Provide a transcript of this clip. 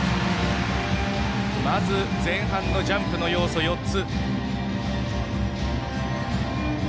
まず前半のジャンプの要素４つ。